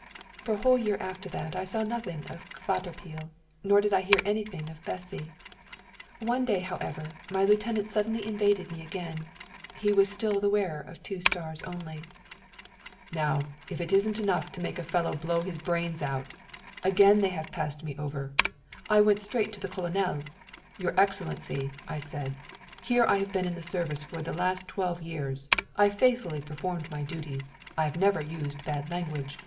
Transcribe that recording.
For a whole year after that I saw nothing of Kvatopil, nor did I hear anything of Bessy. One day, however, my lieutenant suddenly invaded me again; he was still the wearer of two stars only. "Now, if it isn't really enough to make a fellow blow his brains out! Again they have passed me over. I went straight to the Colonel. 'Your Excellency,' I said, 'here have I been in the service for the last twelve years. I have faithfully performed my duties. I have never used bad language.